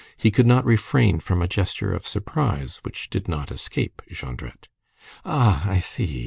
He could not refrain from a gesture of surprise which did not escape Jondrette. "Ah! I see!"